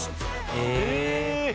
へえ。